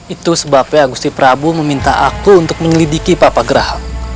itu sebabnya agusti prabu meminta aku untuk menyelidiki papa gerah